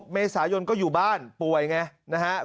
เมษายนก็อยู่บ้านป่วยไงนะครับ